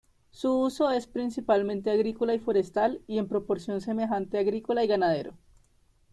Su uso es principalmente agrícola y forestal, y en proporción semejante agrícola y ganadero.